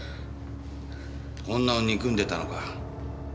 女を憎んでたのか？